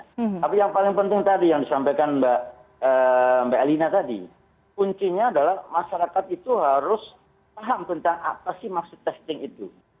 tapi yang paling penting tadi yang disampaikan mbak elina tadi kuncinya adalah masyarakat itu harus paham tentang apa sih maksud testing itu